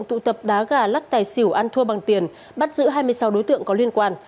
tụ tập đá gà lắc tài xỉu ăn thua bằng tiền bắt giữ hai mươi sáu đối tượng có liên quan